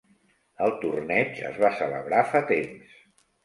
El torneig es va celebrar fa temps.